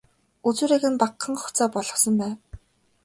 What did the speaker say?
Үзүүрийг нь багахан гогцоо болгосон байв.